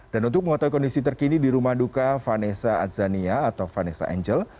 dan untuk mengataui kondisi terkini di rumah duka vanessa adzania atau vanessa angel